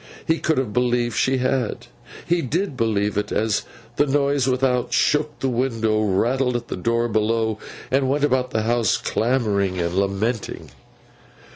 He could have believed she had. He did believe it, as the noise without shook the window, rattled at the door below, and went about the house clamouring and lamenting.